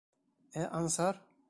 Ә Ансар?